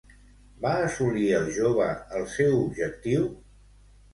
Va assolir el jove el seu objectiu?